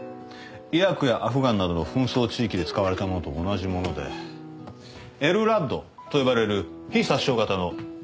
イラクやアフガンなどの紛争地域で使われたものと同じものでＬＲＡＤと呼ばれる非殺傷型の音響兵器だ。